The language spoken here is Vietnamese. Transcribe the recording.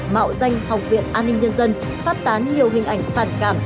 mạo danh học viện an ninh nhân dân phát tán nhiều hình ảnh phản cảm